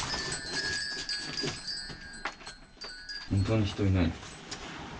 本当に人いない。